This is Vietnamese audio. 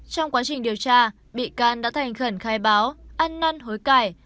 trong quá trình điều tra bị can đã thành khẩn khai báo ăn năn hối cải